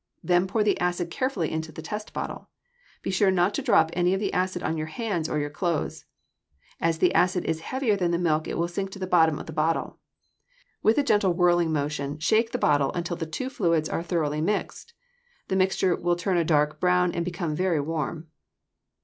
Then pour the acid carefully into the test bottle. Be sure not to drop any of the acid on your hands or your clothes. As the acid is heavier than the milk, it will sink to the bottom of the bottle. With a gentle whirling motion, shake the bottle until the two fluids are thoroughly mixed. The mixture will turn a dark brown and become very warm.